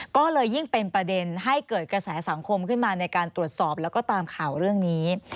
ก็เลยยิ่งเป็นประเด็นให้เกิดกระแสสังคมขึ้นมาในการตรวจสอบแล้วก็ตามข่าวเรื่องนี้